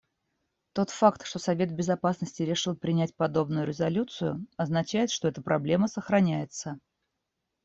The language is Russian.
Тот факт, что Совет Безопасности решил принять подобную резолюцию, означает, что эта проблема сохраняется.